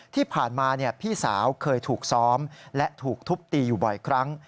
ที่ผ่านมาพี่สาวเคยถูกซ้อมและถูกทุบตีอยู่บ่อยครั้ง